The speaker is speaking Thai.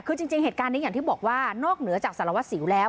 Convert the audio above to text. คือจริงเหตุการณ์นี้อย่างที่บอกว่านอกเหนือจากสารวัสสิวแล้ว